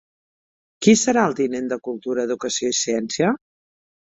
Qui serà el tinent de Cultura, Educació i Ciència?